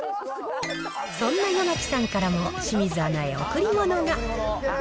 そんなヤマキさんからも、清水アナへ贈り物が。